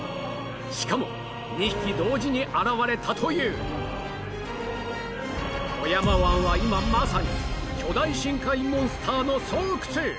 しかも２匹同時に現れたという富山湾は今まさに巨大深海モンスターの巣窟！